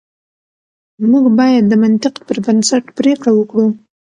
موږ بايد د منطق پر بنسټ پرېکړه وکړو.